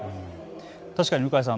確かに向井さん